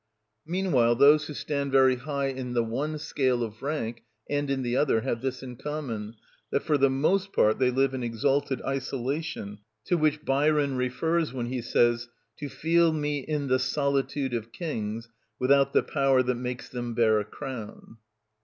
Meanwhile those who stand very high in the one scale of rank and in the other have this in common, that for the most part they live in exalted isolation, to which Byron refers when he says:— "To feel me in the solitude of kings Without the power that makes them bear a crown."